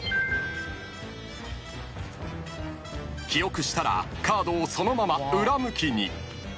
［記憶したらカードをそのまま裏向きに］